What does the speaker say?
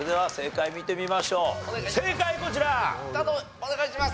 お願いします。